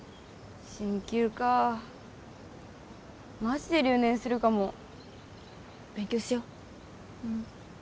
進級かあマジで留年するかも勉強しよううん